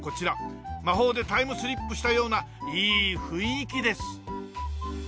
魔法でタイムスリップしたようないい雰囲気です。